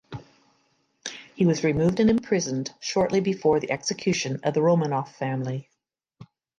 He was removed and imprisoned shortly before the Execution of the Romanov family.